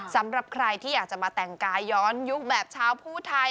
สำหรับใครที่อยากจะมาแต่งกายย้อนยุคแบบชาวผู้ไทย